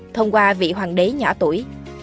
thông qua vị hoàng đế nhỏ tuổi